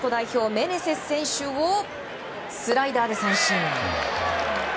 メネセス選手をスライダーで三振。